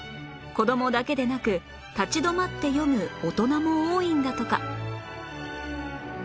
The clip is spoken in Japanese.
子どもだけでなく立ち止まって読む大人も多いんだとか